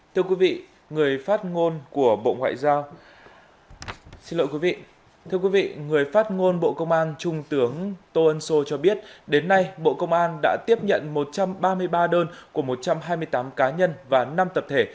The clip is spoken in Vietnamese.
thưa quý vị người phát ngôn bộ công an trung tướng tô ân sô cho biết đến nay bộ công an đã tiếp nhận một trăm ba mươi ba đơn của một trăm hai mươi tám cá nhân và năm tập thể